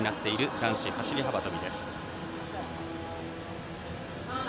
男子走り幅跳びです。